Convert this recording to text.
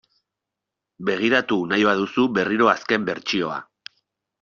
Begiratu nahi baduzu berriro azken bertsioa .